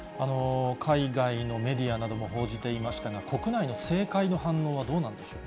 海外のメディアなども報じていましたが、国内の政界の反応はどうなんでしょうか。